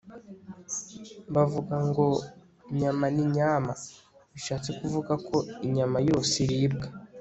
bavuga ngo 'nyama ni nyama' bishatse kuvuga ko inyama yose iribwa''